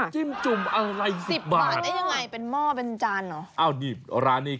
จิ้มจุ่มอะไร๑๐บาท